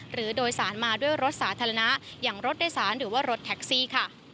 หรือโดยสารมาด้วยรถสาธารณะอย่างรถโดยสารหรือว่ารถแท็กซี่ค่ะ